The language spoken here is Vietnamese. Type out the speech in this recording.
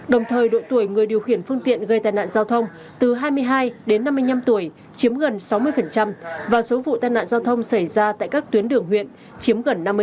đồng thời độ tuổi người điều khiển phương tiện gây tai nạn giao thông từ hai mươi hai đến năm mươi năm tuổi chiếm gần sáu mươi và số vụ tai nạn giao thông xảy ra tại các tuyến đường huyện chiếm gần năm mươi